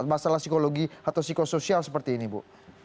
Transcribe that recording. masalah psikologi atau psikosoial seperti ini bu